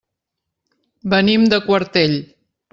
Venim de Quartell.